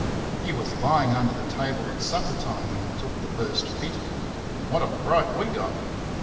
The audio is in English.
He was lying under the table at supper time when he took the first fit, and what a fright we got!